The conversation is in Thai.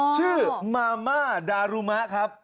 ชื่อมาม่าดารุมะครับ